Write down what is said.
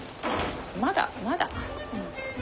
まだまだか。